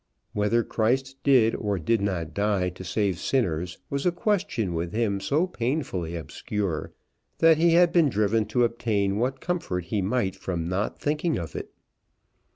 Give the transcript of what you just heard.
Whether Christ did or did not die to save sinners was a question with him so painfully obscure that he had been driven to obtain what comfort he might from not thinking of it.